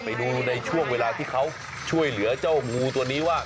ไปดูในช่วงเวลาที่เขาช่วยเหลือเจ้างูตัวนี้ว่า